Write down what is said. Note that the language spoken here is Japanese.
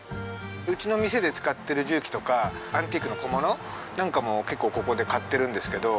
うちの店で使ってる什器とかアンティークの小物なんかも結構ここで買ってるんですけど。